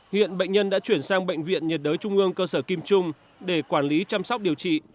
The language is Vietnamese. hiện bệnh nhân đã chuyển sang bệnh viện nhiệt đới trung ương cơ sở kim trung để quản lý chăm sóc điều trị